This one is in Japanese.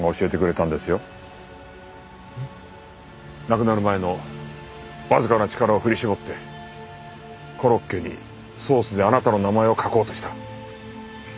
亡くなる前のわずかな力を振り絞ってコロッケにソースであなたの名前を書こうとした。